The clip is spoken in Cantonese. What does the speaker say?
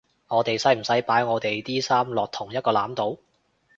我哋使唔使擺我地啲衫落同一個籃度？